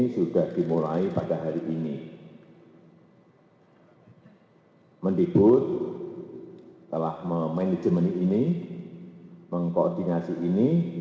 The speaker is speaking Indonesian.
saya rasa itu yang bisa saya sampaikan pada kesempatan yang kayak ini